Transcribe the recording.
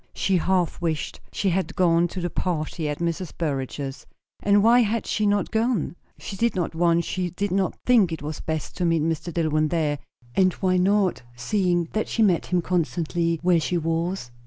She half wished she had gone to the party at Mrs. Burrage's. And why had she not gone? She did not want, she did not think it was best, to meet Mr. Dillwyn there. And why not, seeing that she met him constantly where she was?